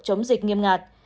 chống dịch nghiêm ngặt